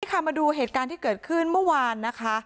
มาดูเหตุการณ์ที่เกิดขึ้นเมื่อวานนะคะ